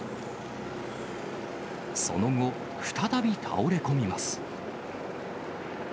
その後、再び倒れ込みます。